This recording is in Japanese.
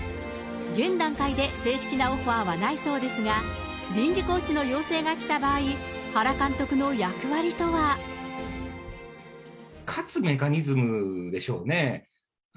現段階で正式なオファーはないそうですが、臨時コーチの要請が来た場合、原監督の役割とは。勝つメカニズムでしょうね。